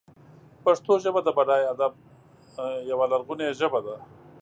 پښتو ژبه د بډای ادب یوه لرغونې ژبه ده.